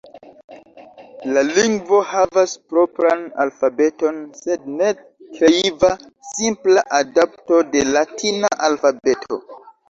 La lingvo havas propran alfabeton, sed ne tre kreiva, simpla adapto de latina alfabeto.